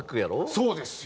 そうですよ。